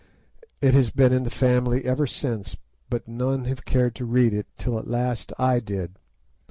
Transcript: It has been in the family ever since, but none have cared to read it, till at last I did.